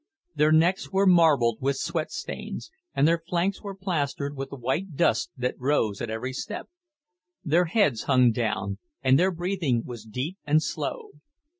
Their necks were marbled with sweat stains, and their flanks were plastered with the white dust that rose at every step. Their heads hung down, and their breathing was deep and slow.